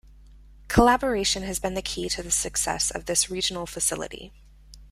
Collaboration has been the key to the success of this regional facility.